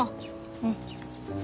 うん。